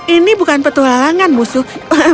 ini bukan petualangan musuh